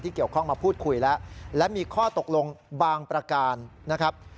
เกี่ยวข้องมาพูดคุยแล้วและมีข้อตกลงบางประการนะครับ